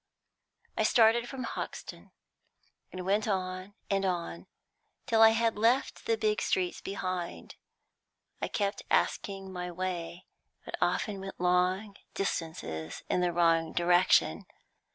I started from Hoxton, and went on and on, till I had left the big streets behind. I kept asking my way, but often went long distances in the wrong direction.